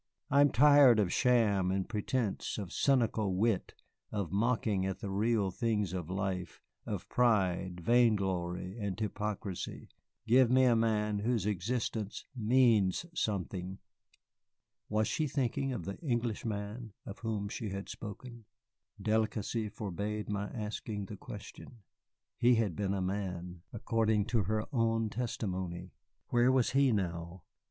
I am tired of sham and pretence, of cynical wit, of mocking at the real things of life, of pride, vain glory, and hypocrisy. Give me a man whose existence means something." Was she thinking of the Englishman of whom she had spoken? Delicacy forbade my asking the question. He had been a man, according to her own testimony. Where was he now?